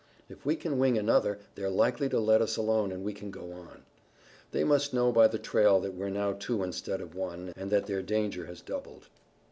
If we can wing another they're likely to let us alone and we can go on. They must know by the trail that we're now two instead of one, and that their danger has doubled."